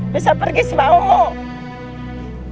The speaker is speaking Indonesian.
bisa pergi sama emak